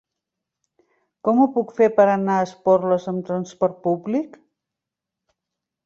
Com ho puc fer per anar a Esporles amb transport públic?